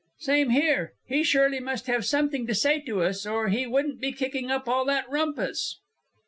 "Same here. He surely must have something to say to us, or he wouldn't be kicking up all that rumpus."